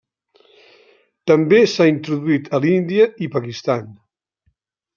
També s'ha introduït a l'Índia i Pakistan.